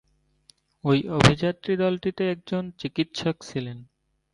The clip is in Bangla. ওই অভিযাত্রী দলটিতে একজন চিকিৎসক ছিলেন।